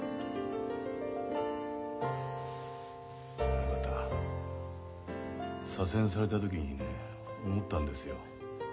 親方左遷された時にね思ったんですよ。